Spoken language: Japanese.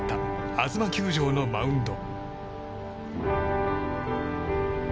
あづま球場のマウンド。